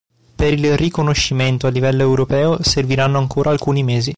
Per il riconoscimento a livello europeo serviranno ancora alcuni mesi.